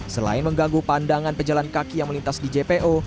selain mengganggu pandangan pejalan kaki yang melintas di jpo